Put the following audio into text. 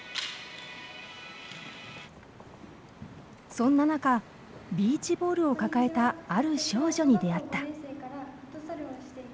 そんな中ビーチボールを抱えたある少女に出会った。